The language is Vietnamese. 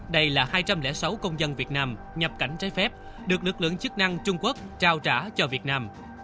đây là hai trăm linh sáu công dân việt nam nhập cảnh trái phép được lực lượng chức năng trung quốc trao trả cho việt nam